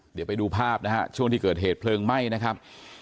เดี๋ยวไปดูภาพนะฮะช่วงที่เกิดเหตุเพลิงไหม้นะครับ